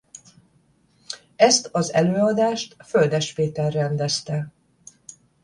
Ezt az előadást Földes Péter rendezte.